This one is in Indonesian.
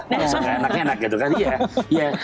besok enak enak gitu kan ya